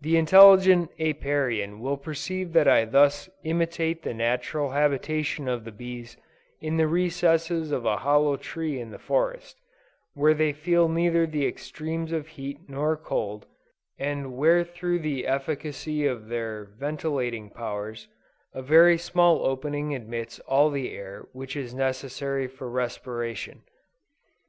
The intelligent Apiarian will perceive that I thus imitate the natural habitation of the bees in the recesses of a hollow tree in the forest, where they feel neither the extremes of heat nor cold, and where through the efficacy of their ventilating powers, a very small opening admits all the air which is necessary for respiration.